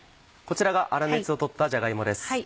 こちらが粗熱を取ったじゃが芋です。